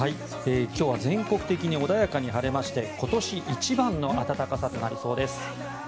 今日は全国的に穏やかに晴れまして今年一番の暖かさとなりそうです。